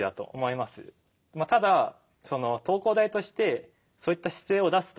まあただその東工大としてそういった姿勢を出すと。